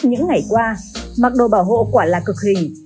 những ngày qua mặc đồ bảo hộ quả là cực hình